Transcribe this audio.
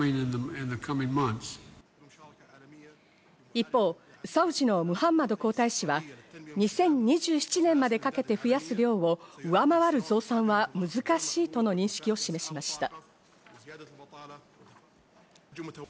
一方、サウジのムハンマド皇太子は、２０２７年までかけて増やす量を上回る増産は難しいとの認識を示しました。